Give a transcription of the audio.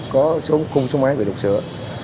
có cung súng máy bị đục sửa